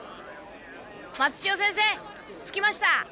松千代先生着きました。